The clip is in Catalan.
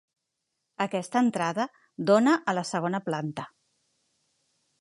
Aquesta entrada dóna a la segona planta.